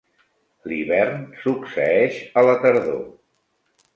L'hivern succeeix a la tardor.